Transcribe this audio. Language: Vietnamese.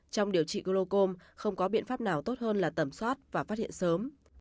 trong điều trị glaucom không có biện pháp nào tốt hơn là tẩm soát và phát hiện sớm